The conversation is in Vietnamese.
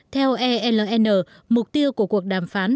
theo eln mục tiêu của cuộc đàm phán